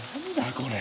これ。